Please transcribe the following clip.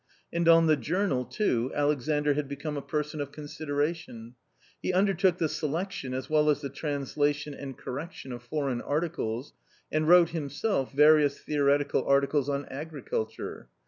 And on the journal, too, Alexandr had become a person of consideration. He undertook the selection as well as the translation and correction of foreign articles, and wrote himself various v/ theoretical articles on agriculture.